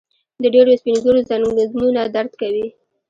د ډيرو سپين ږيرو ځنګنونه درد کوي.